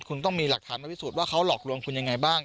คุณต้องมีหลักฐานมาพิสูจน์ว่าเขาหลอกลวงคุณยังไงบ้าง